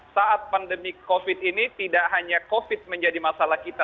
saat pandemi covid ini tidak hanya covid menjadi masalah kita